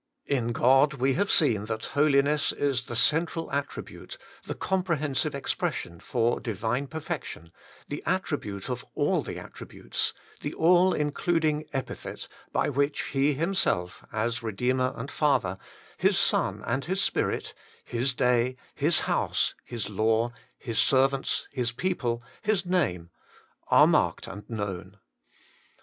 In God we have seen that holiness is the central attribute, the comprehensive expression for Divine perfection, the attribute of all the attributes, the all including epithet by which He Himself, as Redeemer and Father, His Son and His Spirit, His Day, His House, His Law, His Servants, His People, His Name, are marked and known.